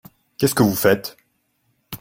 Qu'est-ce que vous faites ?